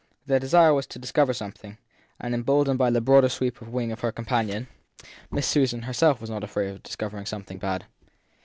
Their desire was to discover something, and, emboldened by the broader sweep of wing of her companion, Miss Susan her self was not afraid of discovering something bad.